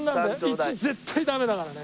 １絶対ダメだからね。